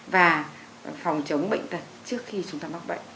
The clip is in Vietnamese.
và phòng chống bệnh tật trước khi chúng ta mắc bệnh